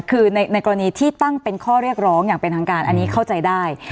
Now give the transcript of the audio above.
คือในกรณีที่ตั้งเป็นข้อเรียกร้องอย่างเป็นทางการอันนี้เข้าใจได้